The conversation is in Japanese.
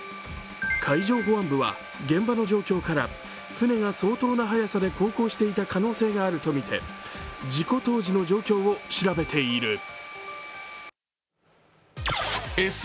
海上保安部は現場の状況から船が相当な速さで航行していた可能性があるとみて事故当時の状況を調べている。